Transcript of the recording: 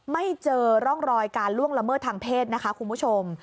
ไม่เจอร่องรอยการล่วงละเมิดทางเพศนะคะคุณผู้ชม